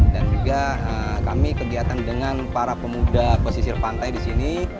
dan juga kami kegiatan dengan para pemuda pesisir pantai disini